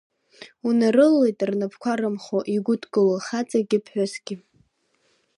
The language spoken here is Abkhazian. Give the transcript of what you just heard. Унарылалеит рнапқәа рымхуа, игәыдкыло хаҵагьы ԥҳәысгьы!